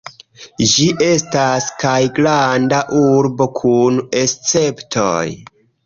Ĝi estas kaj Granda Urbo kun Esceptoj.